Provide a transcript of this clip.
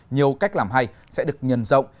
nhiều cách làm hay sẽ được nhân rộng